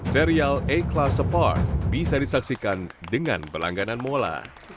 serial a class apart bisa disaksikan dengan pelangganan mola